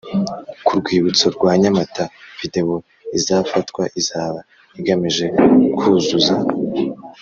ku rwibutso rwa Nyamata Videwo izafatwa izaba igamije kuzuza